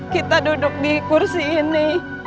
kita duduk di kursi ini